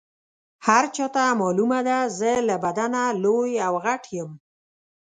هر چاته معلومه ده زه له بدنه لوی او غټ یم.